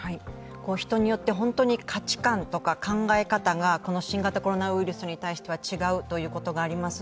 人によって、価値観とか考え方とかがこの新型コロナウイルスに対しては違うということがあります。